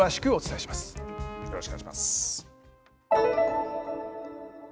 よろしくお願いします。